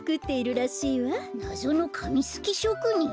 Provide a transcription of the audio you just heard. なぞのかみすきしょくにん？